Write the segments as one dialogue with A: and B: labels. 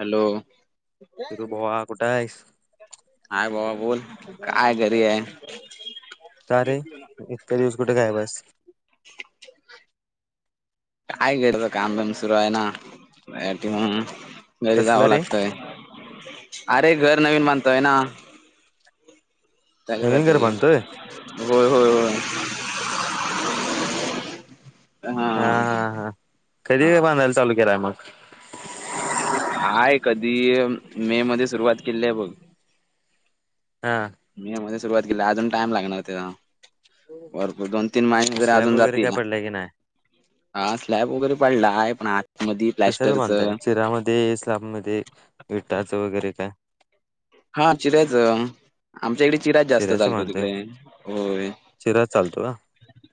A: Hello
B: तरू बवा कुठ आहेस
A: हाय बाबा बोल काय घरी आहे
B: का रे इतक्या दिवस कुठे काय बस
A: काय घेयच, काम पम सुरू आहे ना. घरी
B: कसलं
A: जावं
B: रे
A: लागतय, अरे घर नवीन मानतोय ना. त्याच्या
B: नवीन घर
A: साठी,
B: बांधतोय?
A: होय, होय, होय [unintelligible]
B: हा हा हा कधी व बांधायला तालुक्याला आहे मग?
A: हायय कधी मे मध्ये, सुरुवात केली आहे बघ.
B: हा,
A: मे, मध्ये सुरुवात केली अजून टाइम लागणार त्याचा, भरपूर दोन तीन महिने, वगैरे
B: स्लॅब
A: अजून
B: काय
A: जातील
B: पडलाय की नाही?
A: हा स्लॅब वगैरे, पडला आहेपण,
B: कशाच बांधताय चिरामध्ये स्लाब म विटाचं वगैरे काय?
A: हा चिऱ्याच, आमच्या इकडे चिरा्याच जास्त चालतो, तिकडे होय.
B: चरा चालतो का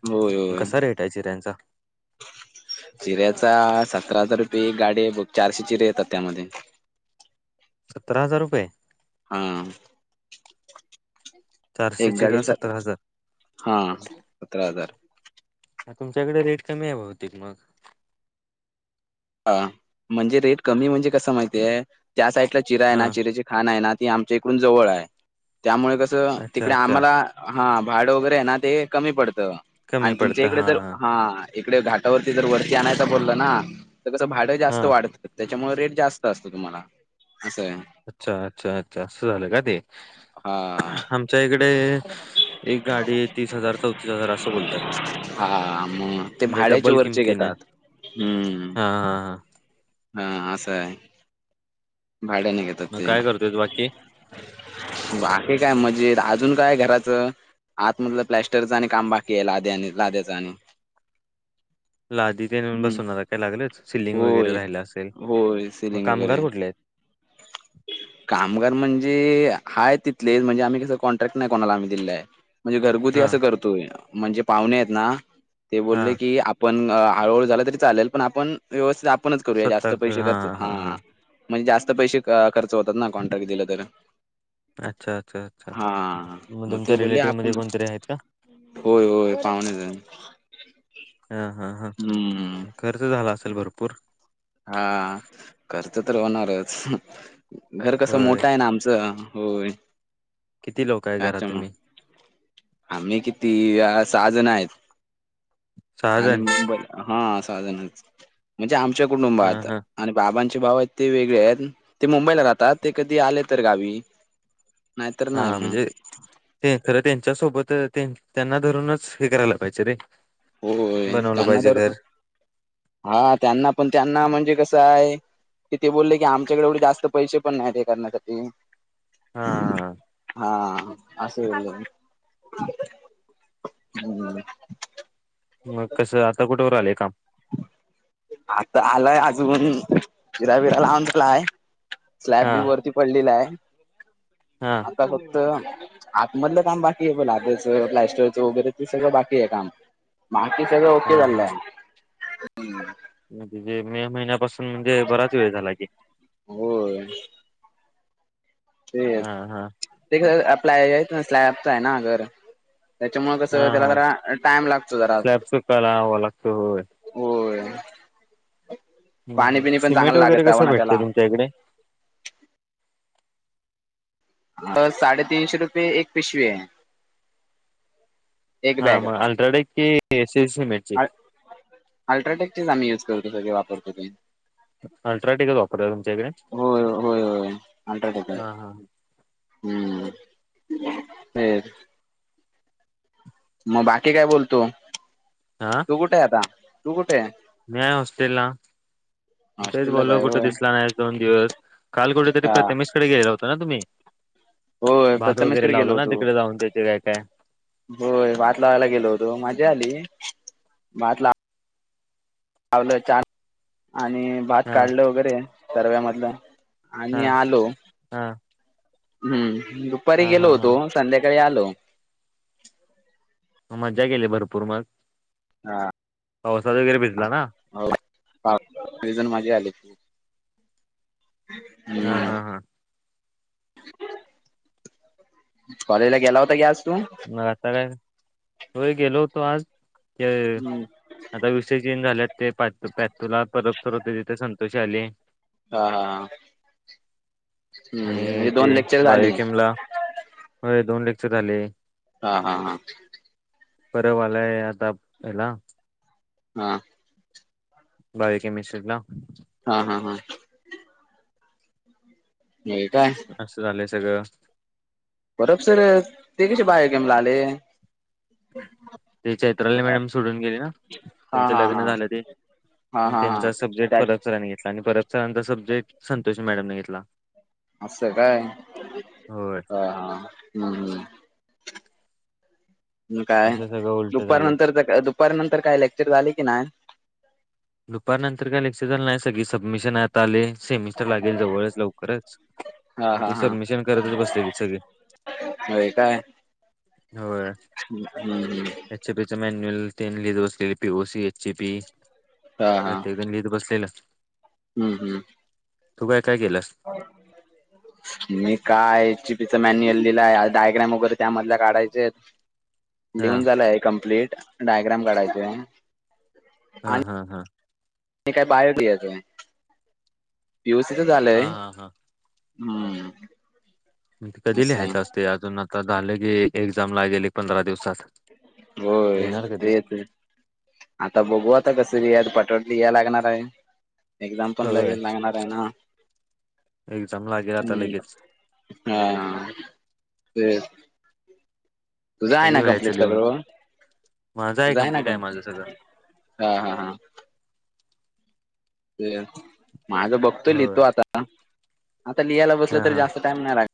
A: होय होय
B: कसा रेट आहे चिऱ्यांचा,
A: चिऱ्याचा सतरा हजार, बे गाडी ब चारशीचीर येतात त्यामध्ये,
B: सतरा हजार रुपये,
A: हा,
B: चारशे
A: एक
B: चिरा
A: गाडीचा,
B: सतरा हजार
A: हा सतरा हजार,
B: तुमच्याकडे रेट कमी आहे बघुतेक मग,
A: हा म्हणजे रेट कमी म्हणजे कस माहितीय, त्या साइडला चिरा आहे
B: हा
A: ना चिऱेचे खाण आहे ना. ती आमच्या इकडून जवळ आहे, त्यामुळे कसं
B: अच्छा
A: तिकडे
B: अच्छा
A: आम्हाला हा, भांड वगैरे आहे ना ते कमी पडतं,
B: कमी
A: आणि तुमच्या
B: पडतं
A: इकडे
B: हा
A: जर हा इकडे घ, त्या वरती जर वरती आणायं बोललं ना, तर कसं भाडं जास्त
B: हा
A: वाढत त्या, त्याच्यामुळे रेट जास्त असतो तुम्हाला, असं आहे
B: अच्छा, अच्छा अच्छा, अस झालं का ते,
A: हा
B: आमच्या इकडे, एक गाडी तीस हजार चौतीस हजार असं बोलतात
A: [unintelligible] हा मग ते
B: म्हणजे
A: भाड्याचे
B: डबल
A: वरचे
B: किमतीने
A: घेतात. हम्म,
B: हा हा हा
A: हा आसां आहे. भाड्याने घेतात
B: मग
A: ते,
B: काय करतोय बाकी
A: बाकी काय मजा, म्हण अजून काय घराचं आत, म्हधलं प्लॅस्टरचं आणि काम बाकी आहे लाद्या आणि लाद्याच आणि,
B: लादी ते
A: हम्म
B: बसवणार काय लागलंच, सिलिंग वगैरे
A: होय
B: राहिला असेल.
A: होय
B: मग
A: सिलिंग
B: कामगार
A: वगैरे
B: कुठले आहेत?
A: कामगार म्हणजे हाय तिथलेच म्हणजे आम्ही कसं, कॉन्ट्रॅक्ट नाही कोणाला आम्ही दिला आहे. म्हणजे घरगुती
B: हा
A: असं करतोय, म्हणजे पाहुणे आहेत ना ते
B: हा
A: बोलले की आपण, हळूहळू झाला तरी चालेल पण, आपण व्यवस्थित आपणच करूया जास्त पैसे खर्च हा, म्हणजे जास्त पैसे खर्च होतात ना. कॉन्ट्रॅक्ट दिलं तर,
B: अच्छा अच्छा अच्छा
A: हा
B: मग
A: म ते
B: तुमच्या
A: बोली
B: रिलेटिव्ह
A: आपू
B: मध्ये
A: ना,
B: कोणतरी आहेत का
A: होय होय पाहुणेच,
B: हा हा,
A: हम्म
B: हा खर्च झाला असेल भरपूर,
A: हा खर्च तर होणारच, घर कसं
B: होय
A: मोठं आहे ना आमचं होय,
B: किती लोक आहे घरात
A: याच्या मुळे,
B: तुम्ही
A: आम्ही किती, साहा जण आहेत,
B: सहाजण
A: आणिंब हा साहाणच म्हणजे आम, आमच्या कडून
B: हा
A: बात,
B: हा
A: आणि बाबच्या, भाव आहेत ते वेगळे आहेत, ते मुंबईला राहतात ते कधी आले तर गावी, नाहीतर नाही
B: हा
A: मग
B: म्हणजे ते खरं त्यांच्या सोबत, तर त्यांना धरूनच हे करायला पाहिजे रे,
A: होय,
B: बनवलं
A: त्यांना
B: पाहिजे
A: तर
B: घर
A: हा त्यांना पण त्यांना म्हणजे कस, आहे कि ते बोलले की, आमच्याकडे एवढे जास्त पैसे पण नाही ते करण्यासाठी,
B: हा
A: हा असं हम्
B: मग कसं आता कुठेवर आलेय काम
A: ून फिराबिरा लावूनला आहे स्लॅब
B: हा
A: बी वरती पडलेला आहे
B: हा
A: आता आतमधलं काम बाकी आहे बोला आताच प्लॅस्टरचं वगैरे ते सगळं बाकी आहे काम बाकी सगळं ओके चालंय
B: म्हणज जे मे महिन्यापासून म्हणजे बराच वेळ झाला की
A: हो ते
B: हा हा
A: ते आपलाय स्लॅबच आहे ना अगर त्याच्यामुळे कस
B: हा
A: त्याला
B: हा
A: जरा टाइम लागतो जरा
B: स्लॅबच काला हवा लागतो होय
A: होय [inaudible]
B: हं, हं.
A: पाणीपिणी पण
B: सिमेंट
A: चांगला
B: वगैरे कसं
A: लागतवण
B: भेटते
A: त्याला
B: तुमच्या इकडे
A: ब साडे तीनशे रुपये एक पिशवी आहे एक
B: हा
A: बॅग
B: मग अल्ट्राटेक कि सिमेंटची
A: अल्ट्राटेकचीम्ही यज त सगळ वापरतो ते
B: अल्ट्राटेकच वापरत तुमच्या इकडे
A: होय होय होय अल्ट्राटेक
B: हा हा
A: हम्म फर मग बाकी काय बोलतो तू कुठे आता तू कुठे
B: न्याय हॉस्टेल ना तेच
A: हॉस्टेललाच
B: बोललो
A: आहे
B: कुठे
A: होय
B: दिसला नाही दोन दिवस काल कुठेतरी
A: हा
B: प्रतमेश कडे गेला होतो ना तुम्ही
A: हो
B: भात वगैरे
A: प्रतामसकडे गेलो
B: लावला ना
A: होतो
B: तिकडे जाऊन त्याचे काय काय
A: होय भात लावायला गेलो होतो माजी आली भात ला लावलं ान आणि भात
B: हा
A: काढलं वगैरे सरव्यामधलं
B: हा
A: आणि आलो
B: हा
A: हम्म दुपारी
B: हा हा
A: गेलो
B: हा
A: होतो संध्याकाळी आलो [inaudible]
B: मज्जा केली भरपूर मग
A: हा
B: पावसात वगैरे भिजला ना
A: हो तजण माझी आली त
B: हा
A: हम्म
B: हा हा
A: कॉलेज ला गेला होता की आज तू
B: मग आता काय तोय गेलो होतो आज त्यावे
A: हम्म
B: आता विषय चेंज झाल्यात ते पूला परत परवते तिथे स तशे झाले
A: हा हा हम्म
B: आणि
A: म्हणजे
B: ते
A: दोन लेक्चर झाली
B: बाय किमला दोन रक्च झाले
A: हा हा हा
B: परवालाय आता हला
A: हा
B: बाईकी के मिस््रीला
A: हा हा हा नाही काय
B: सगळ
A: बरब सर ते कसे बाहेर गेमला आले
B: ते चैत्राल
A: हा
B: मॅडम सोडून गेले ना त्यांचं
A: हा
B: लग्न
A: हा
B: झालं ते
A: हा हा हा
B: त्यांचा सब्जेक्ट
A: त्याच
B: परतसरांनी घेतला आणि परतसरांचा सब्जेक्ट संतोषी मॅडमने घेतला
A: असं काय
B: होय
A: हा हा हं हं काय
B: असं सगळं उलट
A: दुपार
B: झाले
A: नंतर दुपार नंतर काय लेक्चर झाले की नाही
B: दुपारनंतर काय लेक्चर झाल नाही सगळी सबमिशन आता आले सेमिस्टर लागेल जवळच लवकरच
A: हा
B: मग
A: हा
B: ते सबमिशन करतच बसलेली सगळे
A: हो काय
B: होय
A: हम्म ह्
B: लिह बसले पी ओसी एची पी
A: हा हा
B: तेण लिहित बसलेलं
A: हम्म हम्म
B: तू काय काय केलास
A: मी काय चि पीत मॅन्युअल लिलाय डायग्राम वगैरे त्यामध काढायचे आहेत
B: हा
A: लिहून झालंय कंप्लीट डायग्राम काढायच
B: हा हा हा
A: मी काय बायोली याचय पीयूसीच
B: हा
A: झालंय
B: हा हा
A: हम्म
B: मग कधी
A: असं
B: लिहायचं असते अजून आता झालं की एक्झाम ला गेली पंधरा दिवसात
A: होय
B: येणार कधी
A: तेेच ते आता बघू आता कस यात पटोट लिय लागणार आहे एकदम पण
B: होय
A: लगे लागणार आहे ना
B: एक्झाम लागेल आता लगेच
A: हम्म हा ते तुझा आहे
B: कधी
A: ना
B: व्हायचं
A: कंप्लीट
B: लिहून
A: सगळं
B: माझं आहे
A: जाय ना
B: कम्प्लीट आहे
A: गण
B: माझं सगळं
A: हा हा हा ते माझ बघतोय लिह
B: हो
A: तो आता आता लिहायला
B: हा
A: बसलं तर
B: हा
A: जास्त टाइम नाही लागत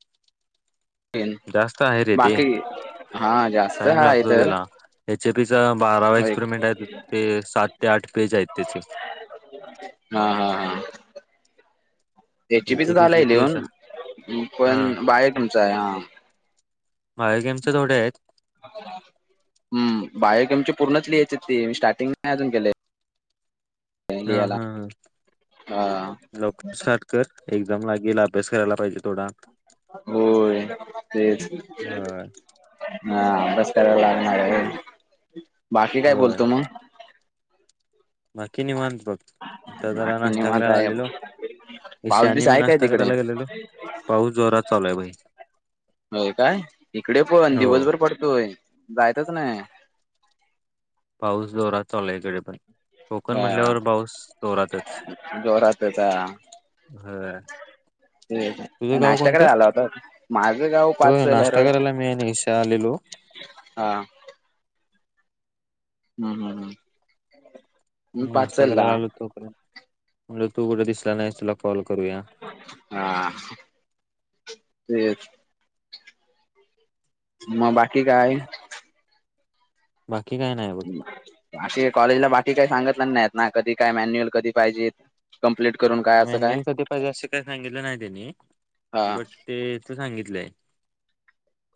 B: जास्त आहे रे ते
A: बाकी हा जास्त
B: टाइम
A: हाय
B: लागतो
A: तर
B: त्याला हचे पीसम बारावा
A: होय
B: एक्सपेरिमेंट आहे ते सात ते आठ पेज आहेत त्याचे
A: हा हा हा त्याची बी तर झालंय
B: एचएपीचे ते सा
A: लिहून
B: हा
A: पण बाहेर तुमचं आहे हा
B: माय गेमचे थोडे आहेत
A: ह हम् बाहेमची पूर्णच लिहायची ती म स्टार्टिंग नाही अजून केलेय
B: हा हा ह
A: हा
B: लवकर स्टार्ट कर एक्झाम लागेल आप अभ्यास करायला पाहिजे थोडा
A: होय तेच
B: होय
A: ना मस कराला लागणार आहे बाकी काय
B: होय
A: बोलतो मी
B: बाकी निवांत बघ आता जरा
A: बाकी
B: नाश्टा
A: निवांत
B: करायला आलेलो
A: आहे पाऊस
B: श्याने
A: बीस
B: मी
A: आहे काय
B: नाश्ता
A: तिकडे?
B: करायला गेलेलो पाऊस जोरात चालू आहे भाई.
A: होय काय इकडे पण
B: हो
A: दिवसभर पडतोय जायतच नाही.
B: पाऊस जोरात चालायकडे पण. कोकण म्हणल्यावर
A: हा
B: बाऊस तोरातच.
A: जोरातच हा.
B: हम्.
A: तेच
B: तुझं गाव
A: नाश्ता
B: कोणतं
A: करायला आला होता? माझं गाव
B: हो
A: पाचल
B: नाश्ता
A: हरळ.
B: करायला मीशा आलेलो. ड.
A: हा. हम्म हम् हम्म. मी
B: नाश्ता
A: पाचलला.
B: करायला आलो तोण म्हणजे तू कुठे दिसला नाही तुला कॉल. करूया
A: हा तेच. म बाकी काय.
B: बाकी काय नाही बघ
A: असकी कॉज ला बाकी. काही सांगत नाहीत ना की काय मॅन्युअल कधी पाहिजे कंप्लीट. करून काय असं काय?
B: मॅन्युअल सा पाहिजे असे काही सांगितलं नाही त्यांनी
A: हा
B: बट ते तू सांगित. ड.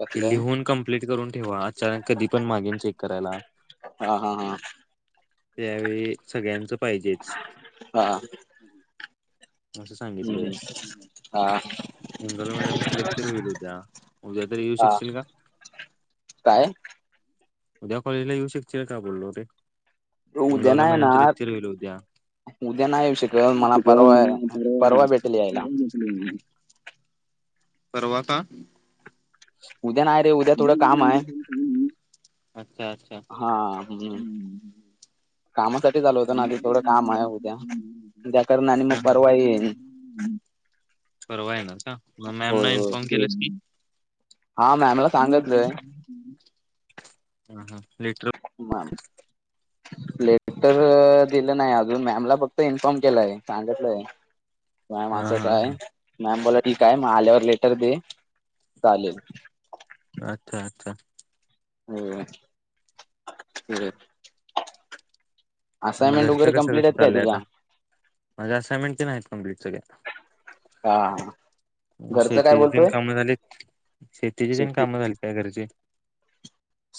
A: कसलं?
B: लिहून कं्प्लीट करून ठेवा अचानक कधी पण मागेन चेक करायला.
A: ह हा हा.
B: त्यावेळी सगळ्यांचं पाहिजेच.
A: हा.
B: असं
A: हम्म
B: सांगितलंय.
A: हम्म. हा
B: मंगल मॅडमच लेक्चर होईल उद्या उद्या तररी येऊ
A: हा.
B: शकशील का.
A: काय?
B: उद्या कॉलेजला येऊ शकतीलील का बोललो हो ते.
A: उद्या नाही ना उद्या नाही येऊ शकल मला.
B: हो
A: परवा
B: म
A: परवा भेटेल यायला
B: त. परवा का?
A: उद्या नाही रे उद्या थोडं काम आहे.
B: अच्छा अच्छा
A: हा
B: ह्.
A: कामासाठीच आलो होतो ना ते थोडं काम आहे उद्या उद्या करण आणि मग परवा येईन
B: ह. परवायणार का म मॅम ना
A: होय होय
B: इन्फॉर्म केलं की.
A: हा मॅमला सांगितलंय.
B: हम् हा लिटर.
A: लेटर दिलं नाही अजून मॅमला फक्त इन्फॉर्म केलाय सांगितलंय. मॅम
B: हा
A: असंच
B: हा
A: आहे
B: हा
A: मॅम बोला. ठीक आहे मग आल्यावर लेटर दे चालेल.
B: अच्छा अच्छा.
A: हो ते.
B: मग घरचं कसं कसं चाललंय आता माझ्या असइनमेंट ते नाहीत कमप्लीट सगळ्य.
A: हा सगळ्यात.
B: शेतीचे प काम झाली शेतीचे पण
A: शेती
B: काम झाली त्याय घरचे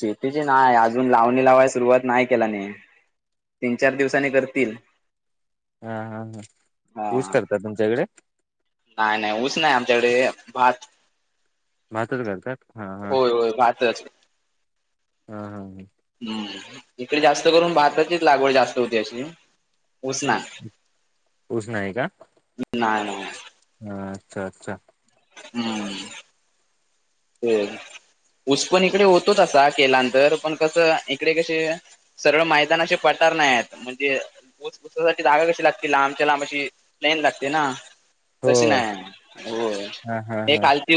A: शेतीची नाही अजून लावणी लावायला सुरुवात नाही केलाने. तीन चार दिवसांनी करतील.
B: हा हा हा
A: हा
B: ऊस करता तुमच्या इकडे.
A: नाही नाही ऊस नाही आमच्याकडे भात.
B: महातच करत.
A: होय होय वाातच.
B: हा हम ह.
A: हम्म इकडे जास्त करून भारताचीच लागवड जास्त होती अशी. ऊस ना नाही नाही.
B: हम् अच्छा अच्छा..
A: हम्म. हो उस पण इकडे होतोचा केलानंतर पण कसं इकडे कसे? सरळ मैदानाशी पटार नाही आहेत म्हणजे जाधगा कशी लागतील लांबच्या लांब अशी लाते ना क
B: होय हा हा
A: नाही
B: हा
A: कालती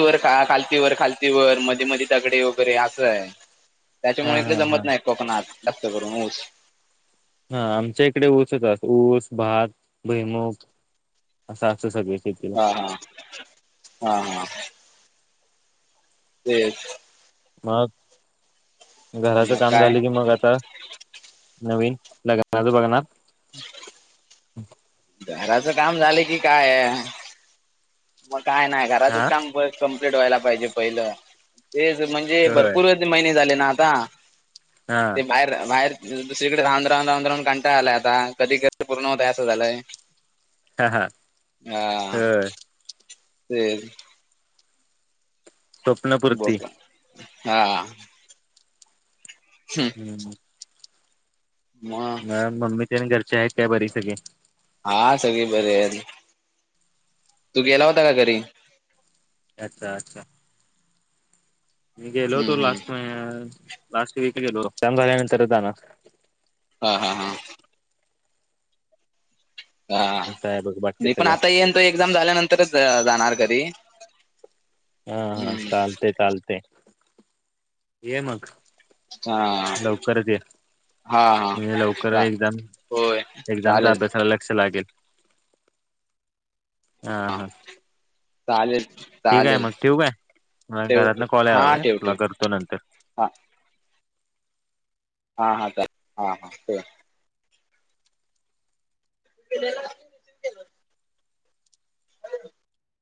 A: व ती वर खालती वर मध्ये मध दगडे वगैरे असं आहे
B: हा
A: त्याच्यामुळे
B: हा
A: इ
B: हा
A: जमत नाही कोकणात जास्त करून ऊस
B: हा आमच्या इकडे ऊसच ऊस भात भैमुख असत सग
A: हा हा हा हा. ते
B: मग घराचं
A: मग
B: काम
A: काय
B: झालं की मग आता नवीन लगनाजू बघना.
A: ह.
B: हम्.
A: घराच काम झाले की काय म काय नाही
B: हा
A: घराातच काम कम्प्लीट व्हायला पाहिजे पहिलं. ते म्हणजे
B: होय
A: भरपूर महिने झाले ना आता
B: हा
A: ते बाहेर बाहेर दुसरीकडे राहवून राहून राहवून राहून काांटा आलाय आता कधी कध पूर्ण होता असं झालंय.
B: हा हा ह.
A: ते
B: स्वप्नपूर्ती
A: हा
B: हम्म
A: म
B: मग मम्मी घरचे आहेत काय बरी सगळे
A: हा सगळी बर या तू गेला होता का घरी
B: अच्छा अच्छा निगेलो
A: हम्म
B: तो
A: हम्म
B: लास्ट म लास्ट वीक गलो चंद्रलंतरध ना
A: हा हा हा हा
B: असं आहे बघ बाकी
A: नाही पण आता
B: सगळं
A: येन तो एक्झाम झाल्यानंतरच जाणार कधी
B: हा हा चालते चालते ये मग
A: हा
B: लवकरच ये
A: हा
B: म्हणजे लवकर
A: हा
B: एक्झाम
A: होय
B: एक्झामच्या
A: चालेल
B: अभ्यासाला लक्ष लागेल हा हा
A: चालेल
B: तेठी काय
A: चालेल
B: मग तेव काय म घरात
A: ठेवतो
B: ना कॉल
A: हा
B: आलाय
A: ठेव
B: तुला
A: ठेव
B: करतो नंतर
A: हा हा हा हा हा ते आहे ह